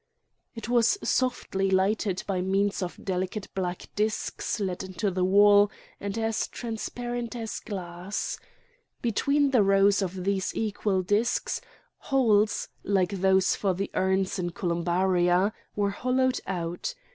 It was softly lighted by means of delicate black discs let into the wall and as transparent as glass. Between the rows of these equal discs, holes, like those for the urns in columbaria, were hollowed out.